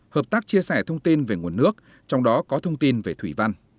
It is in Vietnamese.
hợp tác chia sẻ thông tin về nguồn nước trong đó có thông tin về thủy văn